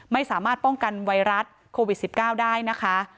ไม่สามารถป้องกันไวรัสโควิด๑๙ได้นะคะ